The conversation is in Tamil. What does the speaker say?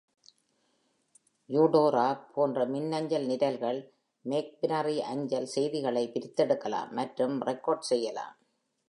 யூடோரா போன்ற மின்னஞ்சல் நிரல்கள் மேக்பினரி அஞ்சல் செய்திகளை பிரித்தெடுக்கலாம் மற்றும் டிகோட் செய்யலாம்.